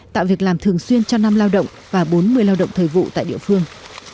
tạo việc làm thường xuyên cho năm lao động và bốn mươi lao động thời vụ tại địa phương